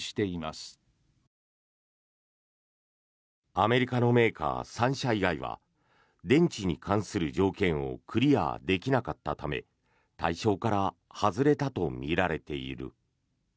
アメリカのメーカー３社以外は電池に関する条件をクリアできなかったため対象から外れたとみられている。